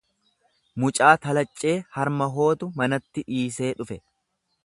Mucaa talaccee harma hootu manatti dhiisee dhufe.